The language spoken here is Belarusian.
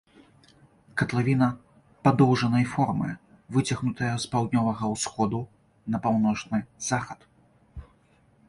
Катлавіна падоўжанай формы, выцягнутая з паўднёвага ўсходу на паўночны захад.